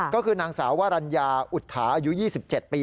ก็คือนางสาววรรณญาอุทธาอายุ๒๗ปี